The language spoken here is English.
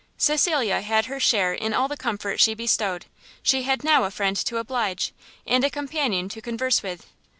Cecilia had her share in all the comfort she bestowed; she had now a friend to oblige, and a companion to converse with.